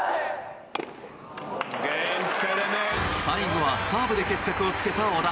最後はサーブで決着をつけた小田。